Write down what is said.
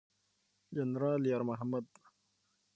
جنرال یار محمد